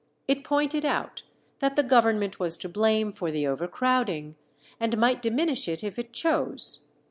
It pointed out that the Government was to blame for the overcrowding, and might diminish it if it chose.